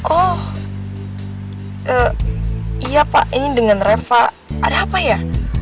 oh iya pak ini dengan reva ada apa ya